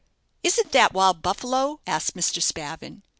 "Isn't that 'Wild Buffalo?'" asked Mr. Spavin.